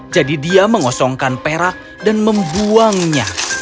jadi dia mengosongkan perak dan membuangnya